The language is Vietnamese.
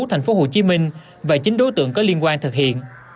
thành phố tp hcm và chính đối tượng có liên quan thực hiện